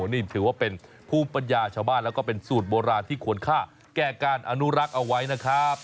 นี่ถือว่าเป็นภูมิปัญญาชาวบ้านแล้วก็เป็นสูตรโบราณที่ควรค่าแก่การอนุรักษ์เอาไว้นะครับ